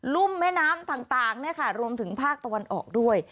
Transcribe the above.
ุ่มแม่น้ำต่างรวมถึงภาคตะวันออกด้วย